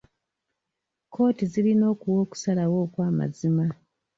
Kkooti zirina okuwa okusalawo okw'amazima